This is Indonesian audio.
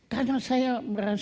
karena saya merasa